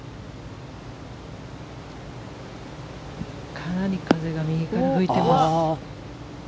かなり風が右から吹いています。